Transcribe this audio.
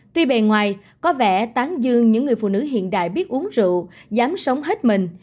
tuy bề ngoài có vẻ tán dương những người phụ nữ hiện đại biết uống rượu dám sống hết mình